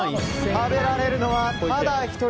食べられるのは、ただ１人。